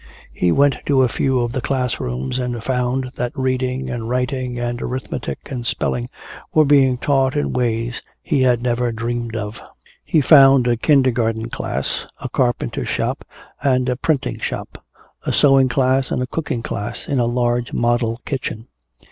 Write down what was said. He went to a few of the class rooms and found that reading and writing, arithmetic and spelling were being taught in ways which he had never dreamed of. He found a kindergarten class, a carpenter shop and a printing shop, a sewing class and a cooking class in a large model kitchen.